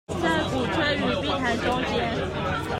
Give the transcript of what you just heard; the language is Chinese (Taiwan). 在鼓吹與避談中間